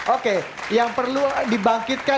oke yang perlu dibangkitkan